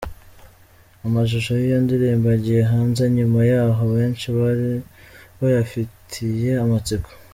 Amashusho y’iyi ndirimbo agiye hanze nyuma y’aho benshi bari bayafitiye amatsiko.